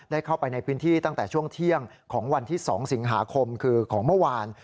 เข้าไปในพื้นที่ตั้งแต่ช่วงเที่ยงของวันที่๒สิงหาคมคือของเมื่อวาน